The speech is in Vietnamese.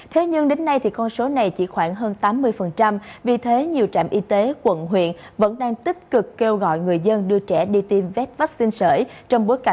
thế nhưng đến nay thì con số này chỉ khoảng hơn tám mươi vì thế nhiều trạm y tế quận huyện vẫn đang tích cực kêu gọi người dân